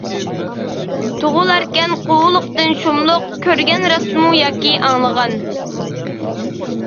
تۇغۇلاركەن قۇۋلۇقتىن شۇملۇق، كۆرگەن راستمۇ ياكى ئاڭلىغان.